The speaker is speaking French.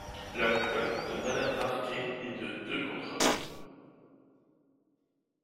La cote de Madame Marquet est de deux contre un.